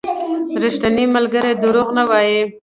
• ریښتینی ملګری دروغ نه وايي.